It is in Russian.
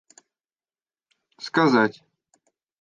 сказать